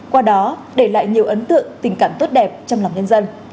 qua đó để lại nhiều ấn tượng tình cảm tốt đẹp trong lòng nhân dân